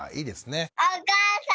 お母さん！